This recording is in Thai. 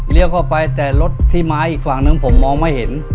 เลี้ยวเข้าไปแต่รถที่ไม้อีกฝั่งหนึ่งผมมองไม่เห็น